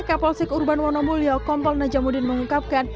kapolsek urban wonomulyo kompol najamuddin mengungkapkan